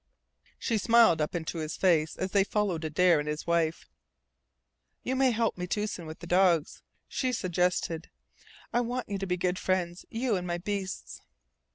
She smiled up into his face as they followed Adare and his wife. "You may help Metoosin with the dogs," she suggested. "I want you to be good friends you and my beasts."